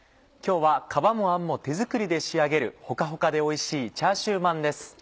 今日は皮もあんも手作りで仕上げるほかほかでおいしい「チャーシューまん」です。